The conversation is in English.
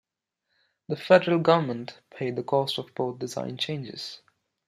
The federal government paid the cost of both design changes.